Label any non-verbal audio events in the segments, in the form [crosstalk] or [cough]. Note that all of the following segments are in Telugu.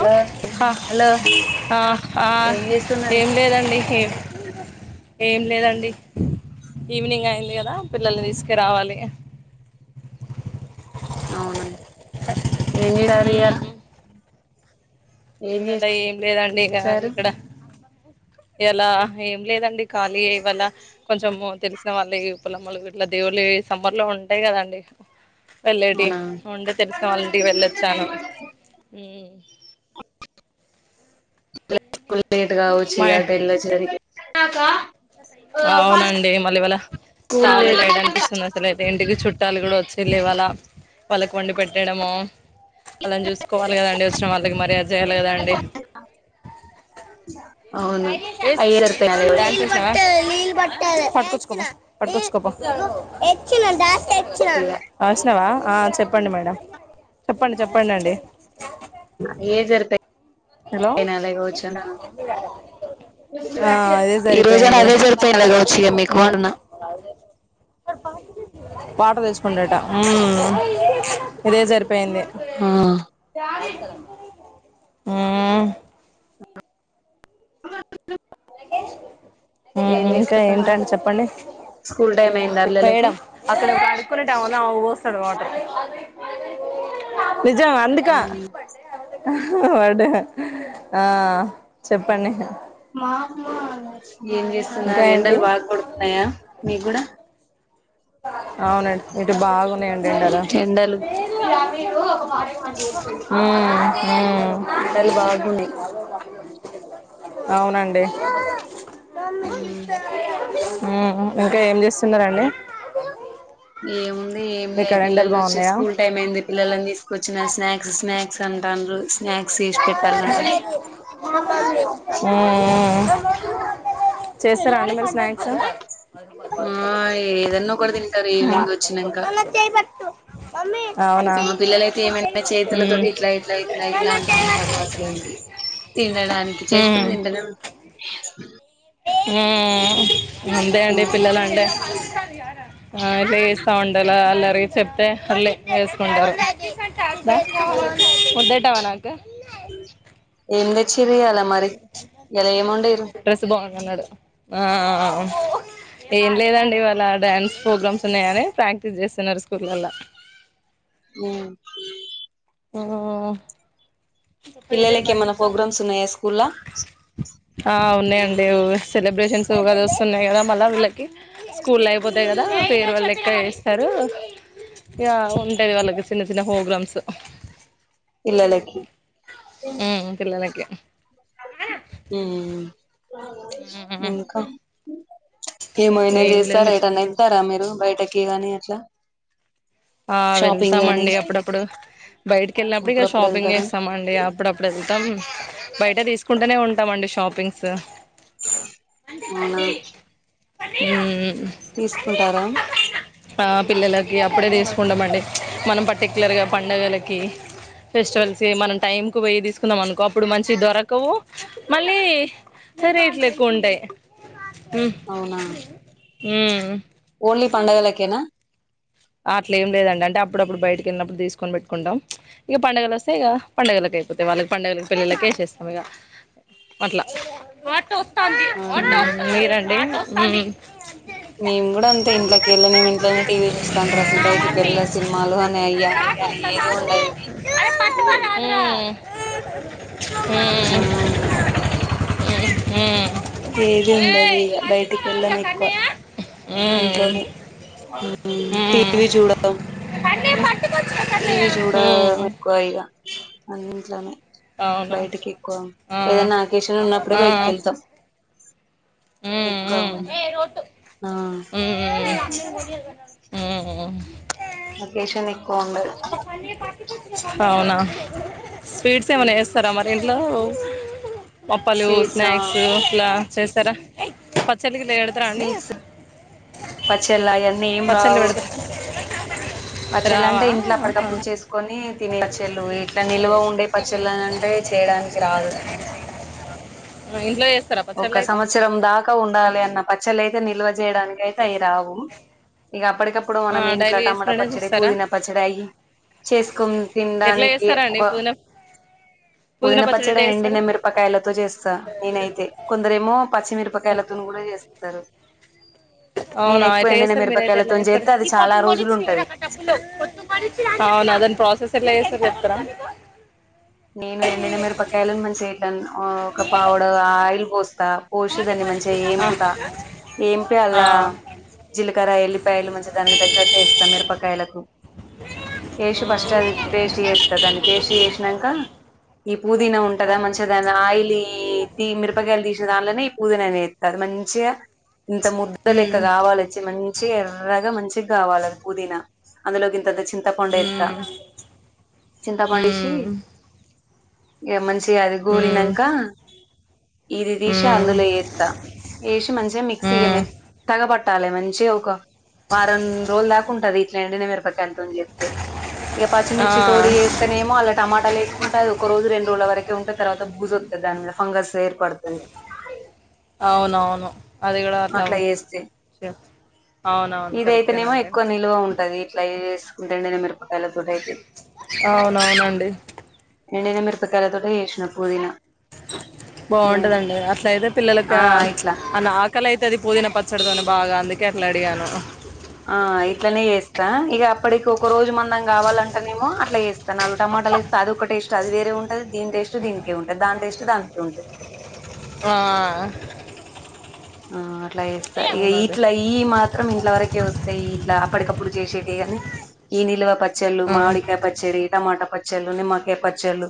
హలో హా హలో అ ఆ ఏం చేస్తున్నారు ఏం లేదండి ఏం ఏం లేదండి ఈవినింగ్ అయింది కదా పిల్లల్ని తీసుకరావాలి అవున [unintelligible] ఇవళ ఏం లేదండి ఇక చేశారు ఇక్కడ ఎలా ఏం లేదండి ఖాళీ ఇవాళ, కొంచెము తెలిసిన వాళ్ళ పొలమలు ఇట్లా దేవుళ్ళ సమ్మర్ లో ఉంటాయి కదండి. వెళ్ళటి అవునా ఉండ తెలుసా వాళ్ళ ఇంటి వెళ్ళొచ్చాను స్ లేట్ గావచ్చు అ మా డెలో జరిగి అకా అవునండి మళ్ళీ వాళ స్కూల్ చాలా టైట్ లేట్ అనిపిస్తుంది అసలుయితే ఇంటికి చుట్టూ చుట్టాలు కూడా వచ్చే లేవాల వాళ్ళకి వండి పెట్టడము, వాళ్ని చూసుకోవాలి కదా అండి వచ్చిన వాళ్ళకి మరి జయలేదా అండి [inaudible] అవును అయ్యే సరిపోయాలి వచ్చేసరికి పెట్ కొచ్చు పో ఇగ రాసినవా ఆ చెప్పండి మేడం చెప్పండి చెప్పడి అండి ఏ జరుతయి హలో అ అదే ఈ రోజైనా సరిపోయింది అదే సరిపోయాలే కావచ్చు ఇగ మీకు అంటున్నా పాట తెచ్చు కొండట ఇదే జరిపోయింది ఆ మ్ మ్ ఏం ఇంకా చేస్తాండ్రు ఏంటండి చెప్పండి స్కూల్ టైం అయిందా పిల్లలకి మేడం అక్కడ ఒక అడుకులుట్వున్నా చడవాట నిజం అందుక వాడు ఆ చెప్పండి మాకు అ ఏం ఇంకా చేస్తున్నారు ఏంటి ఎండలు బాగా కొడుతున్నాయా మీకు కూడా అవునండి ఇటు బాగున్నాయండి ఎండలు ఎండలు ఎండలు ఉమ్ ఉమ్ బాగున్నాయి అవునండి అ ఇంకా ఏం చేస్తున్నారంండి ఏము ఏమి లే ఎండలు పిల్లలు వచ్చి బాగున్నాయా ఉమ్ స్కూల్ టైమ్ అయింది పిల్లలని తీకొచ్చిన స్నాక్స్ స్నాక్స్ అంటారు హు హు చేస్తారా అ మరి స్నాక్స్ ఆ ఏదన్నా ఒక తింటారు ఈవినింగ్ వచ్చాక నాన్న చేయి పట్టు మమ్మీ నా మా చెయ్యి పిల్లలయితే నా చెయ్యి ఏమైనా పట్టు చేతులతోోటి ఇట్లా ఇట్లా ఇట్లా నాన్న ఇట్లా చెయ్యి అంటారు పట్టు అసలు ఏంటి తినడానికి ఉమ్ చేసుకుని తింటడం ఆ అంతే అండి పిల్లలు అంటే చాల ఆ ఇ బే సగుండల అలా మ చెప్తే మళ్ళీ వేసుకుంటారు ఉదండి ావ ఏం సీాల మరి ఎలముండేరు అన్నాడు ఏం లేదండివాళ డ్యాన్స్ ప్రోగ్రామ్స్ ఉన్నాయని ప్రాక్టీస్ చేస్తున్నారు స్కూల్ అ పిల్లలకి ఏమైనా ప్రోగ్రామ్స్ ఉన్నాయా స్కూల్లా ఆఓ ఉన్నాయంండి సెలబ్రేషన్ సో అది వస్తున్నాయి కదా మళ్ళీ వీళ్ళకి స్కూల్ల్లో అయిపోతాయి కదా ఫేర్‌వెల్ లెక్కా ారు ఇక ఉంటా వాళ్ళకి చిన్న చిన్న ప్రోగ్రామ్స్ పిల్లలకి ఉమ్ పిల్లలకి ఆ ఉమ్ ఇంకా ఏమైనా ఏం లేదు చేస్తారా మిస్ ఎటనా ఎళ్తారా మీరు బయటకీ గానీ అట్లా ఆ షాపింగ్ లని వెళ్తామండి అప్పుడప్పుడు బయటికి వెళ్ళినప్పుడు ఇక అప్పుడప్పుడు షాపింగ్ వెళ్తారా చేస్తామండి అప్పుడప్పుడు వెళ్ వెళ్తాం బయట తీసుకుంటూనే ఉంటామండి షాపింగ్స్ అవునా ఊ ఊ తీసుకుంటారా ఆ పిల్లలకి అప్ అప్పుడే దీస్ కుండామండి మనం పర్టిక్యులర్గా పండగలకి ఫెస్టివల్స్ మనం టైంకి పోే్య తీసుకుందాం అనుకో అప్పుడు మంచి దొరకవు మళ్ళీ రేట్లు ఎక్కువ ఉంటయి అవునా ఊ ఊ ఓన్లీ పండగలకేనా అట్లే ఏం లేదండి అంటే అప్పుడప్పుడు బయటకి వెళ్ళినప్పుడు తీసుకొని పెట్టుకుంటాం ఇగ పండగలు వస్తే ఇగ పండుగలలకు అయిపోతాయి వాళ్ళకి పండుగలకు పిల్లలకే ఏసేస్తాం ఇక అట్ల అవునా మీరండి ఊ మేము కూడా అంతే ఇంట్లోకి వెళ్లిన ఇంట్లోనే టీవీ చూస్తా తండ్రి అసలు బయటికి వెళ్ళ ఉమ్ సినిమాలు అని అయ్యా అని ఇయి అని ఏది ఉండదు పట్టుకోరాదు ఆ ఊ ఏది ఉండదు ఇగ బయటికి వెళ్ళము కన్నయ్య ఎక్కువ ఇంట్లోనే టీవి చూడడం కన్నయ్య పట్టుకొచ్చు కన్నయ్య టీవి చూడా ఎక్కువ ఇగ అన్ని ఇంట్లోనే అవునా బయటికి ఎక్కువ ఆ, ఏదైనా అకేషన్ ఉన్నప్పుడే బయటికి ఆ, వెళ్తాం ఉమ్, ఎక్కువ ఉమ్, ఉండదు ఆ వ [unintelligible] అకేషన్ ఎక్కువ ఉండదు ఊ అవునా స్వీట్స్ ఏమైనా చేస్తారా మరి ఇంట్లో పప్పలు స్వీట్స్ ఆ స్నాక్స్ ఇట్లా చేస్తారా పద్ పచ్చళ్ళు గిట్లా పెడతారా అండి స్వీట్స్ పచ్చళ్ళ అన్ని ఏం పచ్చళ్ళు రావు పెడతారా పచ్చళ్ళ రావా అంటే ఇంట్లో ఆహా అప్పటికప్పుడు చేసుకొని తినే పచ్చళ్ళు ఇట్లా నిల్వ ఉండే పచ్చళ్ళుని అంటే చేయడానికి రాదు ఇంట్లో చేస్తారా ఒక పచ్చళ్ళు అయితే సంవత్సరం దాకా ఉండాలి అన్న పచ్చళ్ల అయితే నిల్వ చేయడానికి అయితే అవి రావు ఇక అప్పటికప్పుడు ఆ మనం డైలీ ఇంట్లోమ చేసుకునేటివి చేస్తారా పుదీనా పచ్చడి అయ చేసుకుని ఎట్లా తినడానికి చేస్తారా అండి ఒక పుదీనా పుదీనా పుదీన పచ్చడి ఎట్లా చేస్తారు ఎండినమిరపకాయలతో చేస్తాను. నేనైతే కొందరేమో పచ్చిమిరపకాయలతోని కూడా చేస్తా. సరు నేను అవునా ఎక్కువ ఎట్లా ఎండిన చేస్తారు మిరపకాయలతోని చేత్తే అది చాలా రోజులు ఉంటది అవును అదన్ ప్రాసెస్ ఎట్ల చేస్తారో చెప్తారా నేను ఎండిన మిరపకాయాలని మంచియచేటాను ఒక పావడ ఆయిల్ కోస్తా పోసి దాన్ని మంచిగా వేంపుతా. ఏంపి ఆ ఆ అలా జీలకర్ర ఎల్లిపాయలు మంచిగా దానికి తగ్గట్టు వేస్తా. మిరపకాయలకు వేసి ఫస్ట్ అది పేస్ట్ చేస్తా. దాన్ని పేస్ట్ మ్మ్ చేసినాక ఆ ఈ పుదీనా ఆ ఉంటందా మంచిగా దాని ఆయిలీ ఈ మిరపకాయలు తీసిన దానిలోనే ఈ పూదీన వేత్తరు మంచిగా ఇంత ముద్దలెక్క కావాల వచ్చి మంచి ఎర్రగా మంచిగా కావాలిది పుదీనా అందులోకి ఇంత చి చింతపండు ఏత్త చింతపండు తీసి ఇక మంచి అది గోలినంకా ఇది తీసి అందులో ఎత్త వేసి మంచిగా మిక్సీ మెత్తగ పట్ట తాలి మంచి ఒక వారం రోజులు దాకా ఉంటది ఎండుమిరప్ కండి అని చెప్తే ఇక ఆ పచ్చిమిర్చి తోడి చేస్తనేమో టమాట వేసుకుంటే అది ఒక రోజు రెండు రోజుల వరకే ఉంటే, తర్వాత భూజు వత్తది. దాని మీద ఫంగస్ ఏర్పడతది. అవునవును అది కూడా అట్లా చేేస్తే అవునవును ఇదైతేనేమో కరెక్టేనండి ఎక్కువ నిల్వ ఉంటది ఇట్లా చేస్ ఇండి న మరి అవునవునండి ఎండినా మెరపకాయలతోటే చేషిన పూదిన బాగుంటదండి అట్లయితే పిల్లలక ఆ ఇట్లా అ నాక్ అక్కల అయితే అది పుదీనా పచ్చడితోని బాగా అందుకే అట్లా అడిగాను ఆ ఇట్లనే చేస్తా ఇగ ఇప్పడికి ఒక రోజు మందం కావాలంటేనేమో అలా చేస్తా నాలుగు టమాటాలు ఏసీ తాలింపు ఒకటేసి అది వేరే ఉంటుది దీని టేస్ట్ దీనికే ఉంటాంది దాని టేస్ట్ దానికే ఉంటాంది ఆ ఆ ఇట్లాస్త ఇ అవునండి ఇట్లా ఇ మాత్రం ఇంట్ల వరకే వస్తాయి ఇట్లా అప్పటికప్పుడు చేసేటవి కాని ఈ నిల్వ పట్ చ్చెల్లు ఆ మామిడి కాయ పచ్చేడి టమాట పచ్చ పచ్చలు నిమ్మకాయ పచ్చలు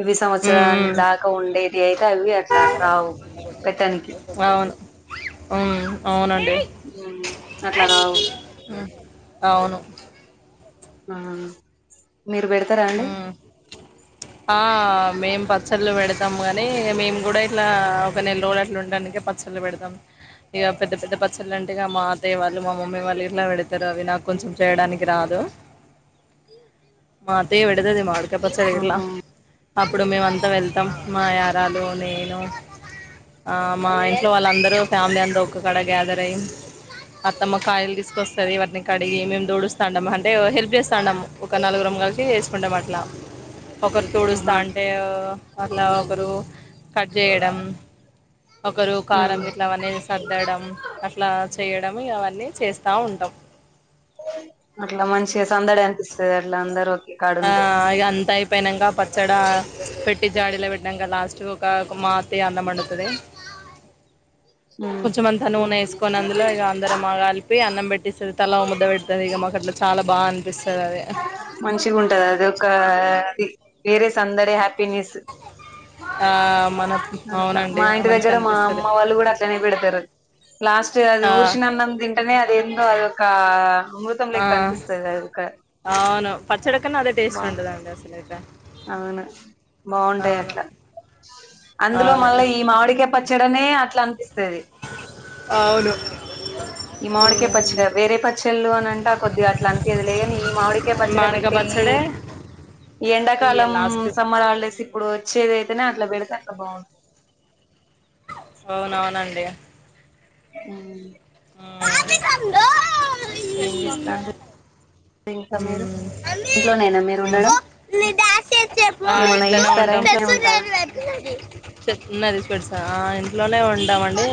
ఇవి మ్మ్ సంవత్సరాన్ని మ్మ్ దాకా ఉండేది అయితే అవి అట్లా రావు పెట్టనికి అ అవునండి అట్లా రావు ఉమ్ అవును ఆ మీరు పెడతారా అండి ఆ మేం ప పచ్చళ్ళు పెడతాము కానీ ఇక మేము కూడా ఇట్లా ఒక నెల రోజులు అట్లా ఉండడానినికిే పచ్చళ్ళు పెడతాం ఇక పెద్ద పెద్ద పచ్చళ్ళు అంటే ఇక మా అతయ్య వాళ్ళు మా మమ్మీ వాళ్ళు ఇట్లా పెడతారు అవి నాకు కొంచెం చేయడానికి రాదు మా అత్తయ్య పెడుతది మామిడిక్ య పచ్చడి గిట్లా ఆహా అప్పుడు మేమ అంతా వెళ్తాం మా యరాలు నేను ఆ మా ఇంట్లో వాళ్ళందరూ ఫ్యామిలీ అంతా ఒకక్కక్కడ గ్యాదర్ అయ్యి అత్తమ్మ కాయలు తీసుకొస్తంది వాటిని కడిగి మేము దోడుస్తా ఉండం అంటే హెల్ప్ చేస్తా ఉండం ఒక నాలుగురం కాల్ సి చేసుకుంటాం అట్లా ఒకరు తుడుస్తా ఆహా. అంటే అట్లా ఒకరు కట్ చేయడం ఒకరు కారం ఉమ్. ఇట్ల అన్నీ సర్దడం అట్లా చేయడంము ఇగా ఇవన్నీ చేస్తా ఉంటాం అట్ల మంచిగా సందడ అనిపిస్తది అట్లా అందరు ఆ కాడుంటే ఇగ అంత అయిపోయినాక పచ్చడా పెట్టి జాడలో పెట్టడాక లాస్ట్ కు ఒక మా అత్తయ్య అన్నం వండుతది కొంచెంమంతా నూనె వేసుకొని అందులో ఇగ అందరం మా కలిపి అన్నం పెట్టిస్తది తల ఓ ముద్ద పెడుతది ఇగ మాకు అట్లా చాలా బాగా ఆన్ మంచి గుంట ంట అది ఒక వేరే సందడి హ్యా నేస్ ఆ మన అట్లా అవునండి మా ఇంటి మంచిగా దగ్గర మా అనిపిస్తది అమ్మ వాళ్ళు కూడా అట్లనే పెడతారు లాస్ట్ అది ఆ ఊర్సిన అన్నం తింటేనే ఎందో అదొక అ అమృతం ఆ లెక్క అనిపిస్తది అది కా అవును పచ్చేడా కన్నా అదే టేస్ట్ ఉంటాదండి అసల్ అవును బాగుంటాయి అవును అట్లా అందులో అవును మళ్ళా ఈ మామిడికే పచ్చ చ్చడనే అట్లా అనిపి తది అవును ఈ మామిడికాయ పచ్చడి వేరే పచ్చళ్ళు అని అంటే కొద్దిగా అట్లా అనిపియదులే గాని ఈ మామిడికాయ పచ్చడి మామిడికాయ పెట్టి ఈ పచ్చడే ఈ ఎండా ఇయాల కాలం లాస్ట్ సమ్మర్ హాలిడే ఇప్పుడు ఉమ్, వచ్చేదైతేనే అట్లా పెడితే అట్లా బాగుంటది. అవునవునండి. హ్ ఆ పెట్టి ఏం చేస్తాండ్రు పంపియాలంట ఇంకా మీరు ఇంట్లోనేనా మీరు ఉండడం హ్ ఆ ఏమన్నా ఇంట్లనే చేస్తారా ఉంటాం ఇంట్లోనే ఉంటారా ఉండని స్పేట్స్ ఆ ఇంట్లోనే ఉంటాం అండి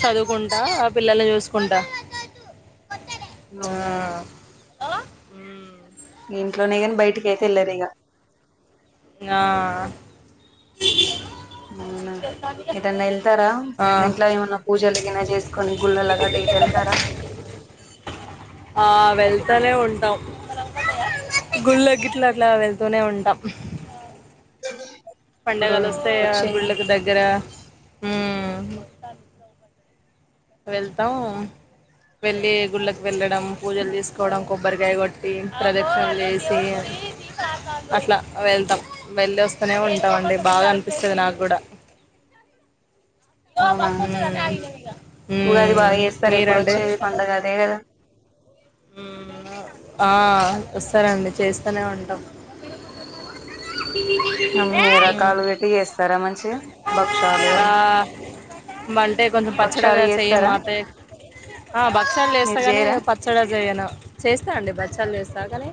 చదువుకుంటా, ఆ పిల్లల్ని చూసుకుంటా. అవునా ఆ ఉమ్, ఇంట్లోనే కాని బయటికి అయితే వెళ్లారు ఇగా ఆ అవునా ఏటన్నా ఎళ్తారా ఆ ఇంట్లో ఏమన్నా పూజలుగిన చేసుకుని గుళ్ళలకు అటు ఇటు ఎళ్తారా. ఆ వెళ్తనే ఉంటాం గుళ్ళకు గిట్లా అట్లా వెళ్తూనే ఉంటాం. ఇప్పుడు పండగలు వస్తాయా వచ్చే గుళ్ళలకు దగ్గర హ్మ్ [inaudible] వెళ్తాం వెళ్ళి గుళ్ళకు వెళ్ళ డం పూజలు చేసుకోవడం కొ కొబ్బరికాయ కొట్టి ప్రదక్షిణ చేసి అట్లా వెళ్తాం వెళ్లి వస్తనే ఉంటాం అండి బాగా అనిపిస్తుంది నాకు కూడా. హ్ ఉగాదిద బాగా చేస్తారు ఇప్పుడు వచ్చేది పండుగ అదే కదా. హ్ ఆ వస్తారండి చేస్తూనే ఉంటాం. హ్ అన్ని రకాలు పెట్టి చేస్తారా మంచిగా భక్షాలు ఆ అయి అంటే కొంచెం భక్షాలు పచ్చడిగా చెయ్యం చేస్తారా మాతే ఆ భక్షలు మీరు చేస్తాగాని చేయరా పచ్చ చేయను చేస్తా అండి బచ్చలు చేస్తా, కానీ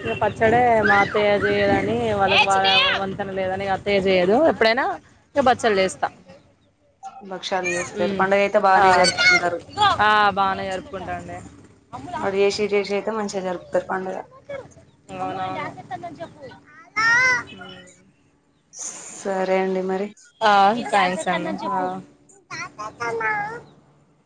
ఇగ పచ్చడే మా అతయ్య చేయదని వాళ్ళ వంతెన లేదని అత్తయ్య చేయదు ఎప్పుడైనా ఇ బచ్చలు చేస్తా. భక్షాలు చేస్తారు హ్ పండుగ అయితే ఆ బాగానే జరుపుకుంటారు ఆ బానే జరుపుకుంటాం అండి. అటు చేసి ఇటు చేసి అయితే మంచి గా జరుపుతరు. అవునవును. హ్ సరే అండి మరి. ఆ చాలా సార్లు అ.... తతాతమ